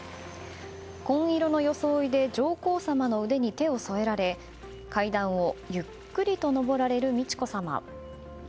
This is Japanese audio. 紺色の装いで上皇さまの腕に手を添えられ階段をゆっくりと上られる美智子さま。